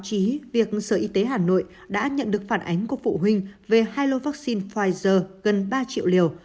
chí việc sở y tế hà nội đã nhận được phản ánh của phụ huynh về hai lô vaccine pfizer gần ba triệu liều